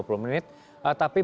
tapi bagaimana dengan bandung